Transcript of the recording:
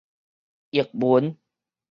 譯文